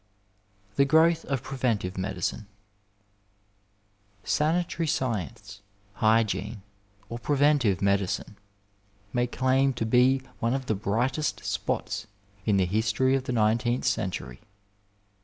THE GROWTH OF PREVENTIVE MEDICINE Sanitary science, hygiene, or preventive medicine may claim to be one of the brightest spots in the history of the nineteenth century.